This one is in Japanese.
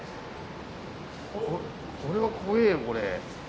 これは怖えよこれ。